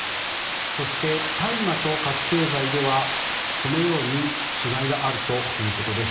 そして、大麻と覚醒剤ではこのように違いがあるということです。